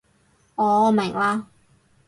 哦，明嘞